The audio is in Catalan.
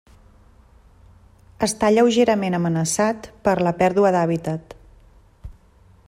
Està lleugerament amenaçat per la pèrdua d'hàbitat.